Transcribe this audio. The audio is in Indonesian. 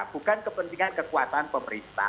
bukan kepentingan kekuasaan pemerintah